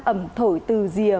ẩm thổi từ rìa